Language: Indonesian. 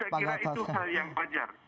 saya kira itu hal yang wajar